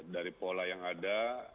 dari pola yang ada